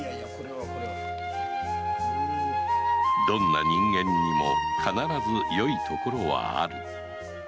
どんな人間にも必ずよいところはある